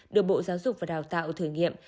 được bộ giáo dục và đào tạo thử nghiệm